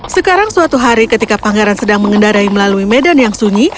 sekarang suatu hari ketika pangeran sedang mengendarai melalui medan yang sunyi